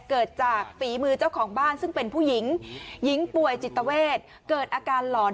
เกิดจากฝีมือเจ้าของบ้านซึ่งเป็นผู้หญิงหญิงป่วยจิตเวทเกิดอาการหลอน